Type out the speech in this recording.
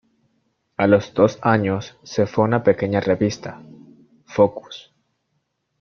A los dos años, se fue a una pequeña revista, "Focus".